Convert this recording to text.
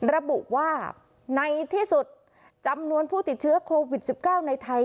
ระบุว่าในที่สุดจำนวนผู้ติดเชื้อโควิด๑๙ในไทย